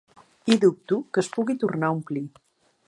I dubto que es pugui tornar a omplir.